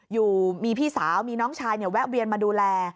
อยู่มีพี่สาวมีน้องชายแวะเวียนมาดูแล